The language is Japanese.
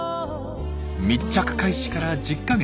密着開始から１０か月。